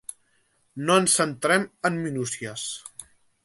No ens centrem en minúcies.